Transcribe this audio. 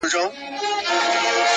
څوک چي لاس در پوري بند کي، مه ئې غوڅوه.